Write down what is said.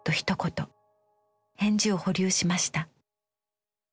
返事を保留しました。